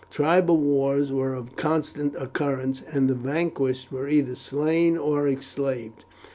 Tribal wars were of constant occurrence, and the vanquished were either slain or enslaved.